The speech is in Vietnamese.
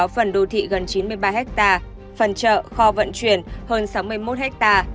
phần chợ kho vận chuyển hơn sáu mươi một ha